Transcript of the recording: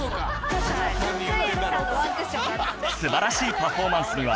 素晴らしいパフォーマンスには